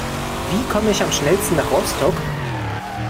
Wie komme ich am schnellsten nach Rostock?